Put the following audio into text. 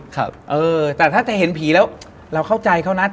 แต่ถ้าจะเห็นผีแล้วเราเข้าใจเขานะ